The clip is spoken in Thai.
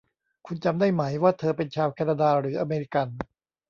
คุณจำได้ไหมว่าเธอเป็นชาวแคนาดาหรืออเมริกัน